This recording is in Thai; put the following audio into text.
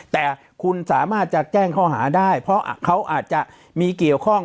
แต่คุณสามารถจะแจ้งข้อหาได้เพราะเขาอาจจะมีเกี่ยวข้อง